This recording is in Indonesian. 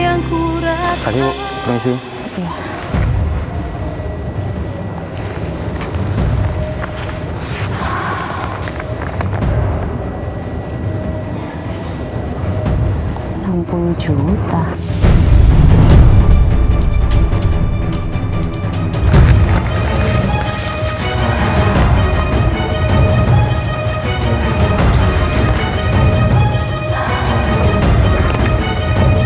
aku hanya bisa mengatakan